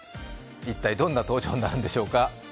一体どんな登場になるのでしょうか。